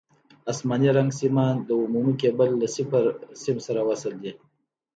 اسماني رنګ سیمان د عمومي کیبل له صفر سیم سره وصل دي.